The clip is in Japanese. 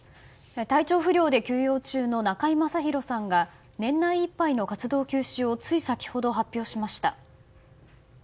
体調不良で休養中の中居正広さんが年内いっぱいの活動休止をつい先ほど発表しました。